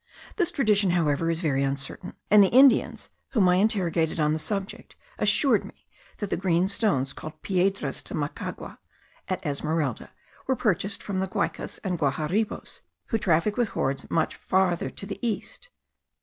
This tradition however is very uncertain; and the Indians, whom I interrogated on the subject, assured me that the green stones, called piedras de Macagua* at Esmeralda, were purchased from the Guaicas and Guaharibos, who traffic with hordes much farther to the east.